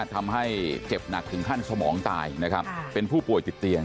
ทำให้เจ็บหนักถึงขั้นสมองตายนะครับเป็นผู้ป่วยติดเตียง